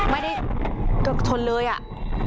ไม่ได้ชนเลยอ่ะ